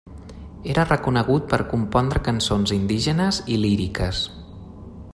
Era reconegut per compondre cançons indígenes i líriques.